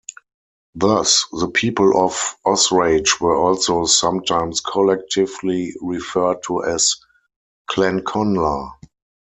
Thus, the people of Osraige were also sometimes collectively referred to as Clann Connla.